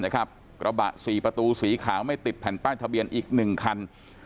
กระบะ๔ประตูสีขาวไม่ติดแผ่นป้ายทะเบียนอีก๑คัน